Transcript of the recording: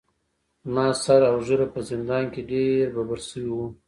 زما سر اوږېره په زندان کې ډیر ببر شوي وو.